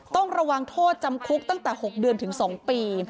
ต้องระวังโทษจำคุกตั้งแต่๖เดือนถึง๒ปี